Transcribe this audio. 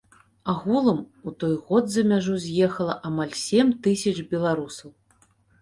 Агулам, у той год за мяжу з'ехала амаль сем тысяч беларусаў.